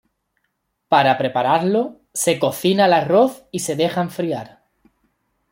Para prepararlo, se cocina el arroz y se deja enfriar.